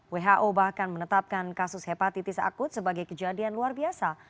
who bahkan menetapkan kasus hepatitis akut sebagai kejadian luar biasa